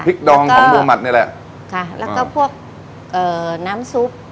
ดองของบัวหมัดนี่แหละค่ะแล้วก็พวกเอ่อน้ำซุป